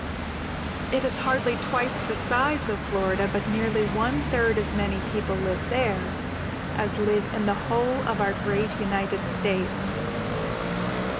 It is hardly twice the size of Florida, but nearly one third as many people live there as live in the whole of our great United States.